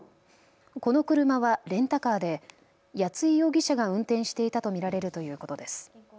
この車はレンタカーで谷井容疑者が運転していたと見られるということです。